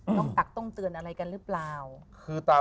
ตักต้องเตือนอะไรกันหรือเปล่า